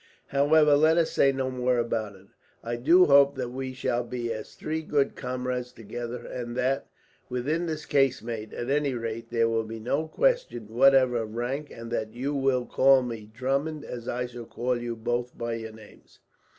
"However, let us say no more about it. I do hope that we shall be as three good comrades together; and that, within this casemate at any rate, there will be no question whatever of rank, and that you will call me Drummond, as I shall call you both by your names.